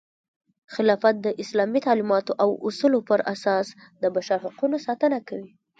خلافت د اسلامي تعلیماتو او اصولو پراساس د بشر حقونو ساتنه کوي.